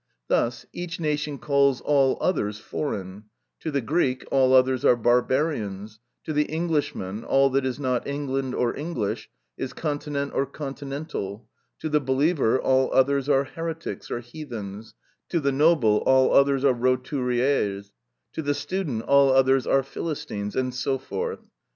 Thus each nation calls all others foreign: to the Greek all others are barbarians; to the Englishman all that is not England or English is continent or continental; to the believer all others are heretics, or heathens; to the noble all others are roturiers; to the student all others are Philistines, and so forth.